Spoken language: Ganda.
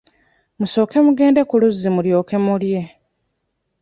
Musooke mugende ku luzzi mulyoke mulye.